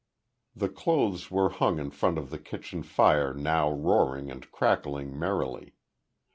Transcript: The clothes were hung in front of the kitchen fire now roaring and crackling merrily.